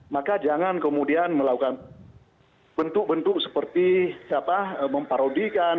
maka jangan kemudian melakukan bentuk bentuk seperti memparodikan